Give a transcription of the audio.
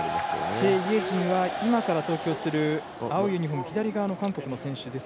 チェ・イェジンは今から投球する青いユニフォーム、韓国の選手。